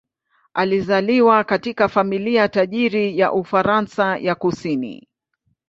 Alizaliwa katika familia tajiri ya Ufaransa ya kusini.